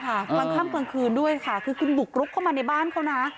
กลางค่ำกลางคืนด้วยค่ะคือคุณบุกรุกเข้ามาในบ้านเขานะ